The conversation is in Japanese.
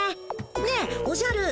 ねえおじゃる。